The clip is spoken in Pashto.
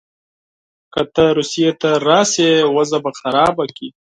که ته روسیې ته راسې وضع به خرابه کړې.